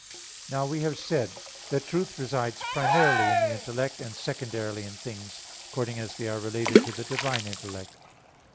Now we have said (A. 1) that truth resides primarily in the intellect; and secondarily in things, according as they are related to the divine intellect.